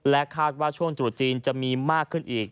คาดว่าช่วงตรุษจีนจะมีมากขึ้นอีก